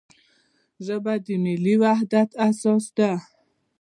ژبه د ملي وحدت اساس ده.